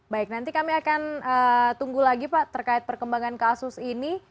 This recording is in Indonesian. baik nanti kami akan tunggu lagi pak terkait perkembangan kasus ini